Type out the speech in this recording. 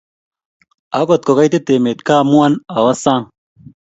akot ko kait emet kaa amuan awe sang